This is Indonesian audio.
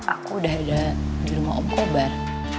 aku udah ada di rumah om kobar